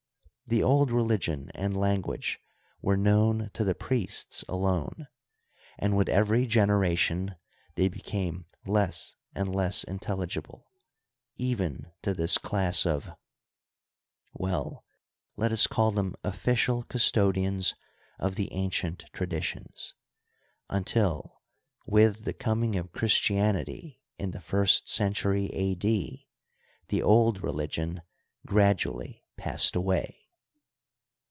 The old religion and language were known to the priests alone, and with every generation they became less and less intelligible even to this class of — ^well, let us call them official custodians of the ancient traditions, until, with the coming of Christian ity in the first century A. D., the old religion gradually passed away.